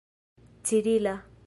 cirila